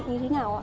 thì như thế nào ạ